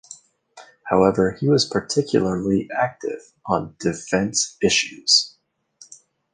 However, he was particularly active on defense issues.